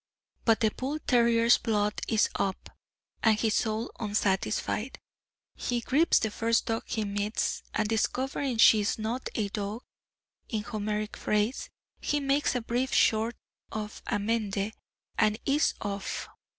But the bull terrier's blood is up, and his soul unsatisfied; he grips the first dog he meets, and discovering she is not a dog, in Homeric phrase, he makes a brief sort of amende, and is off.